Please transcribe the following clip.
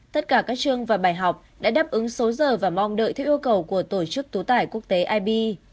tất cả các chương và bài học đã đáp ứng số giờ và mong đợi theo yêu cầu của tổ chức tố tải quốc tế ib